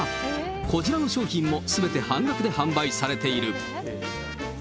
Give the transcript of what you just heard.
こちらの商品もすべて半額で販売されている。